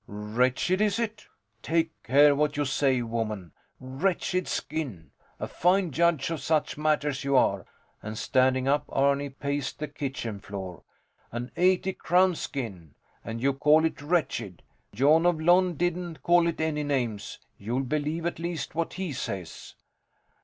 Wretched is it? Take care what you say, woman! Wretched skin! A fine judge of such matters you are! And standing up, Arni paced the kitchen floor. An eighty crown skin! And you call it wretched! Jon of Lon didn't call it any names. You'll believe at least what he says.